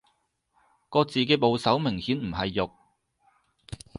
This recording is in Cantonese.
個字嘅部首明顯唔係肉